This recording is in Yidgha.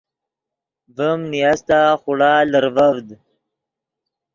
ڤیم نیاستا خوڑا لرڤڤد